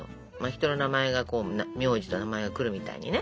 人の名前が苗字と名前が来るみたいにね。